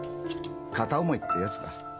片思いってやつだ。